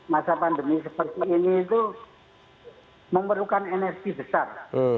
masa pandemi seperti ini itu memerlukan energi besar